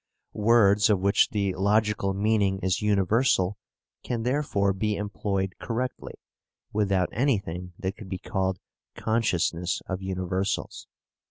Words of which the logical meaning is universal can therefore be employed correctly, without anything that could be called consciousness of universals.